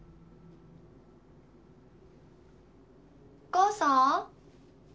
お母さん？